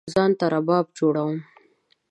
ځان ته رباب جوړوم